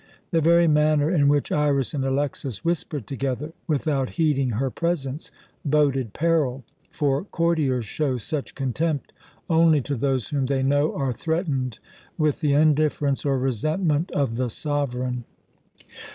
The very manner in which Iras and Alexas whispered together, without heeding her presence, boded peril, for courtiers show such contempt only to those whom they know are threatened with the indifference or resentment of the sovereign.